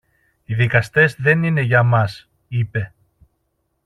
Οι δικαστές δεν είναι για μας, είπε.